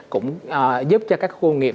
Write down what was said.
cũng giúp cho các khu công nghiệp